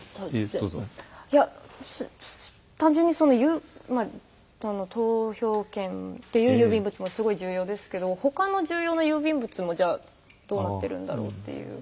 いや単純に投票券という郵便物もすごい重要ですけど他の重要な郵便物もどうなってるんだろうという。